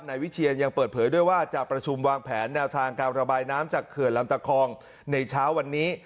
นายวิเชียนยังเปิดเผยด้วยว่าจะประชุมวางแผนแนวทางการระบายน้ำจากเขื่อนลำตะคองในเช้าวันนี้